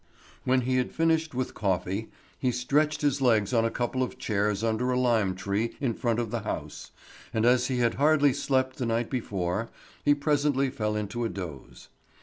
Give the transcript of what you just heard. When he had finished with coffee, he stretched his legs on a couple of chairs under a lime tree in front of the house, and as he had hardly slept the night before, he presently fell into a doze.